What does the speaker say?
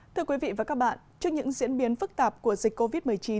thưa quý vị và các bạn trước những diễn biến phức tạp của dịch covid một mươi chín